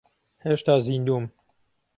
هێشتا زیندووم.